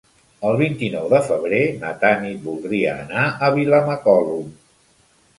El vint-i-nou de febrer na Tanit voldria anar a Vilamacolum.